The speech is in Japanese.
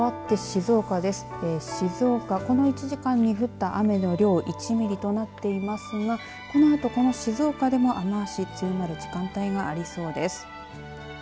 静岡、この１時間に降った雨の量１ミリとなっていますがこのあとこの静岡でも雨足強まる時間帯がありそうです。